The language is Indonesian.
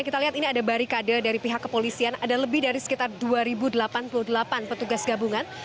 kita lihat ini ada barikade dari pihak kepolisian ada lebih dari sekitar dua delapan puluh delapan petugas gabungan